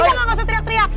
bisa gak usah teriak teriak